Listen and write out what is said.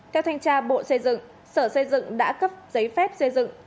theo thanh tra bộ xây dựng sở xây dựng đã cấp giấy phép xây dựng